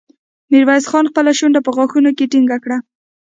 ميرويس خان خپله شونډه په غاښونو کې ټينګه کړه.